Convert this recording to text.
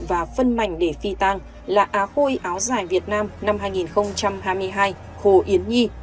và phân mảnh để phi tang là á khôi áo dài việt nam năm hai nghìn hai mươi hai hồ yến nhi